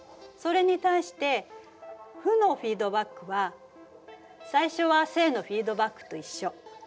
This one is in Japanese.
それに対して負のフィードバックは最初は正のフィードバックと一緒。